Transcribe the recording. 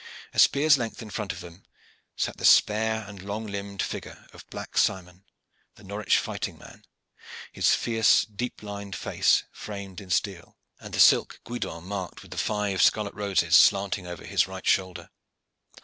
A spear's length in front of them sat the spare and long limbed figure of Black Simon, the Norwich fighting man, his fierce, deep lined face framed in steel, and the silk guidon marked with the five scarlet roses slanting over his right shoulder.